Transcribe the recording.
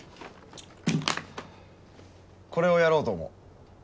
これをやろうと思う。